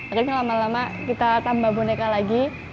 akhirnya lama lama kita tambah boneka lagi